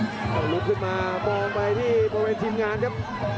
ต้องลุกขึ้นมามองไปที่บริเวณทีมงานครับ